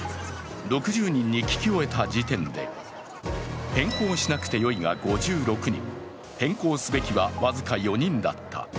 ６０人に聞き終えた時点で、変更しなくてよいが５６人、変更すべきは僅か４人だった。